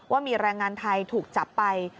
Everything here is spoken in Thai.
ว่ามีแรงงานไทยถูกจับไป